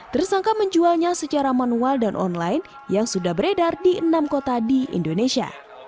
tersangka menjualnya secara manual dan online yang sudah beredar di enam kota di indonesia